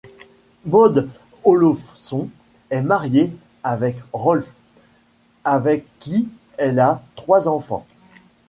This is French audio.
Maud Olofsson est mariée avec Rolf, avec qui elle a trois enfants.